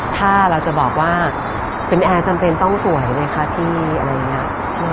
ถ้าเราจะบอกว่าเป็นแอร์จำเป็นต้องสวยไหมคะพี่อะไรอย่างนี้